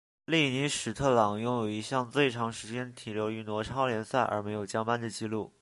利尼史特朗拥有一项最长时间停留于挪超联赛而没有降班的纪录。